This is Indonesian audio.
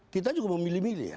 kita juga memilih milih